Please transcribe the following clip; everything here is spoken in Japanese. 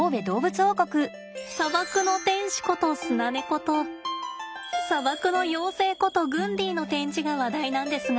砂漠の天使ことスナネコと砂漠の妖精ことグンディの展示が話題なんですが。